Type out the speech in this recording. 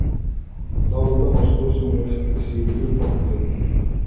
სწავლობდა მოსკოვის უნივერსიტეტის იურიდიულ ფაკულტეტზე.